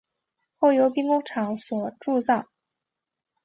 后由兵工厂所铸制。